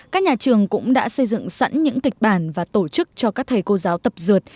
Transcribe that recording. các nhà trường cũng đã xây dựng sẵn những kịch bản và tổ chức cho các thầy cô giáo tập dượt